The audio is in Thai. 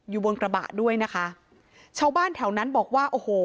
อยู่บนกระบะด้วยนะคะชาวบ้านแถวนั้นบอกว่าโอ้โห